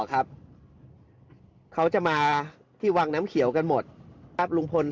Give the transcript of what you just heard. เราจะบุบท่ามนกฮูก